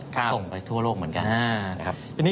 ส่งไปทั่วโลกเหมือนกัน